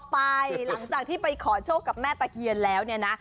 ไปหลังจากที่ไปขอโชคกับแม่ตะเคียนแล้วเนี่ยนะ